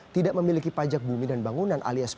tidak memiliki pajak bumi dan bangunan alias